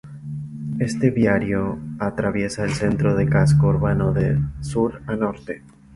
Este viario atraviesa el centro del casco urbano de sur a norte.